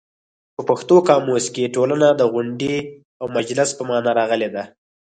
په پښتو قاموس کې ټولنه د غونډې او مجلس په مانا راغلې ده.